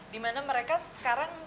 dimana mereka sekarang